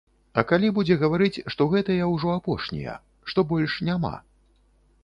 А калі будзе гаварыць, што гэтыя ўжо апошнія, што больш няма?